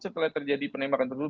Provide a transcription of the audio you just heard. setelah terjadi penembakan tersebut